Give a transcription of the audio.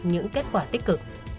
những kết quả tích cực